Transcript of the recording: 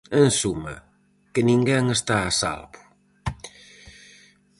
En suma, que ninguén está a salvo.